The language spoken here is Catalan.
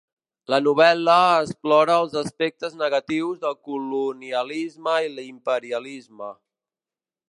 La novel·la explora els aspectes negatius del colonialisme i l'imperialisme.